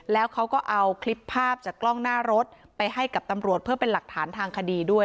แล้วเขาก็เอาคลิปภาพจากกล้องหน้ารถไปให้กับตำรวจเพื่อเป็นหลักฐานทางคดีด้วย